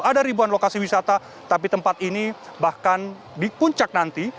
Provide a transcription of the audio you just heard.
ada ribuan lokasi wisata tapi tempat ini bahkan di puncak nanti